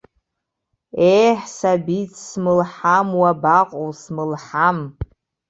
Еҳ сабиц, смылҳам уабаҟоу, смылҳам!